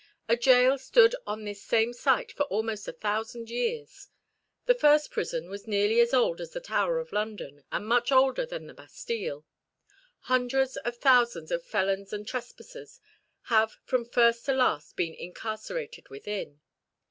A gaol stood on this same site for almost a thousand years. The first prison was nearly as old as the Tower of London, and much older than the Bastile. Hundreds of thousands of "felons and trespassers" have from first to last been incarcerated within.